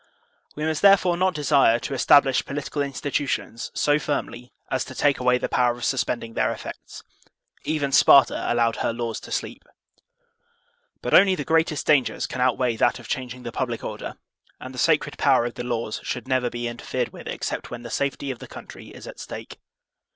We must therefore not desire to establish political in stitutions so firmly as to take away the power of suspend ing their effects. Even Sparta allowed her laws to sleep. But only the greatest dangers can outweigh that of changing the public order, and the sacred power of the laws should never be interfered with except when the safety of the country is at stake.